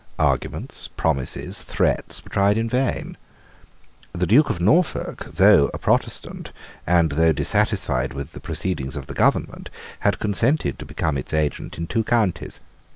Arguments, promises, threats, were tried in vain. The Duke of Norfolk, though a Protestant, and though dissatisfied with the proceedings of the government, had consented to become its agent in two counties.